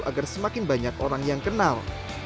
agar semakin banyak orang yang kenal